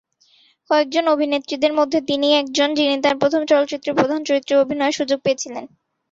কয়েকজন অভিনেত্রীদের মধ্যে তিনি একজন যিনি তার প্রথম চলচ্চিত্রে প্রধান চরিত্রে অভিনয়ের সুযোগ পেয়েছিলেন।